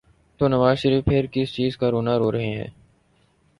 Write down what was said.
تو نواز شریف پھر کس چیز کا رونا رو رہے ہیں؟